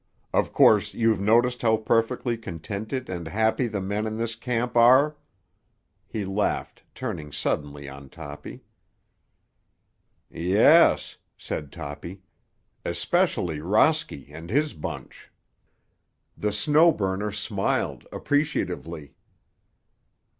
Of course you've noticed how perfectly contented and happy the men in this camp are?" he laughed, turning suddenly on Toppy. "Yes," said Toppy. "Especially Rosky and his bunch." The Snow Burner smiled appreciatively.